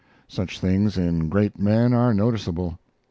Such things in great men are noticeable.